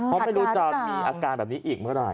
เพราะไม่รู้จะมีอาการแบบนี้อีกเมื่อไหร่